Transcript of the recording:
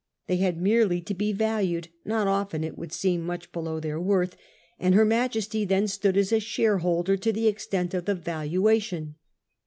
They had merely to be valued — not often, it would seem, much below their worth — and Her Majesty then stood as a shareholder to the extent of the valuation.